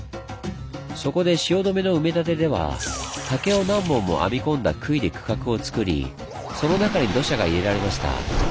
そこで汐留の埋め立てでは竹を何本も編み込んだ杭で区画をつくりその中に土砂が入れられました。